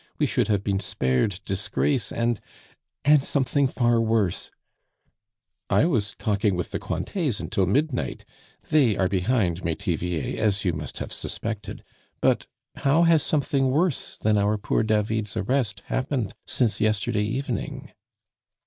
We should have been spared disgrace and and something far worse " "I was talking with the Cointets until midnight. They are behind Metivier, as you must have suspected. But how has something worse than our poor David's arrest happened since yesterday evening?"